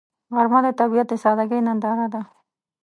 غرمه د طبیعت د سادګۍ ننداره ده